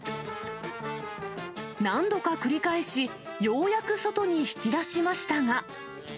何度か繰り返し、ようやく外に引き出しましたが。